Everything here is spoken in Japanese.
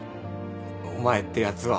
お前ってやつは。